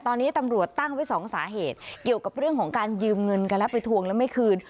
ตอนนี้ตำรวจตั้งไว้สองสาเหตุเกี่ยวกับเรื่องของการยืมเงินกันแล้วไปทวงแล้วไม่คืน